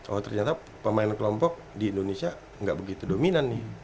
oh ternyata pemain kelompok di indonesia nggak begitu dominan nih